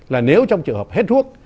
là nếu trong trường hợp hết thuốc